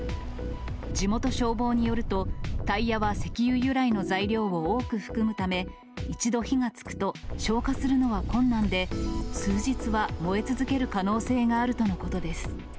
地元消防によると、タイヤは石油由来の材料を多く含むため、一度火がつくと、消火するのは困難で、数日は燃え続ける可能性があるとのことです。